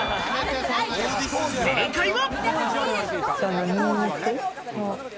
正解は。